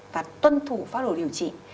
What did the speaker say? và tuân thủ pháp đồ điều trị